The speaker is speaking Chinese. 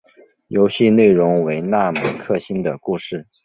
游戏内容为那美克星的故事。